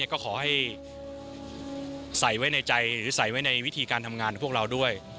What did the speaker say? ก็ขอให้ใส่ไว้ในใจหรือใส่ไว้ในวิธีการทำงานของพวกเราด้วย